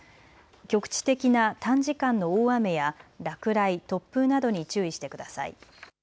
局地的な短時間の大雨や落雷、突風などに注意してください。